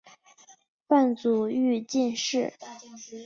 范祖禹进士。